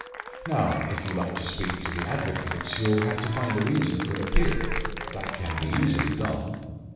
"Now, if you like to speak to the advocates you'll have to find a reason for an appeal; that can be easily done."